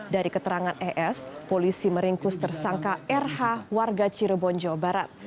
dari keterangan es polisi meringkus tersangka rh warga cirebon jawa barat